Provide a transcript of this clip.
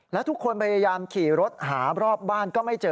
และทุกคนพยายามขี่รถหารอบบ้านก็ไม่เจอ